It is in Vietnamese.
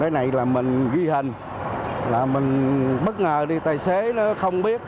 cái này là mình ghi hình là mình bất ngờ đi tài xế nó không biết